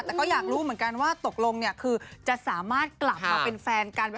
แต่ก็อยากรู้เหมือนกันว่าตกลงเนี่ยคือจะสามารถกลับมาเป็นแฟนกัน